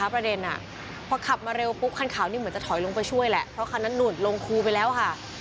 ประเด็นพอขับมาเร็วปุ๊บคันขาวนี่เหมือนจะถอยลงไปช่วยแหละเพราะคันนั้นหลุดลงครูไปแล้วค่ะ